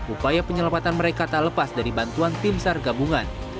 upaya penyelamatan mereka tak lepas dari bantuan tim sargabungan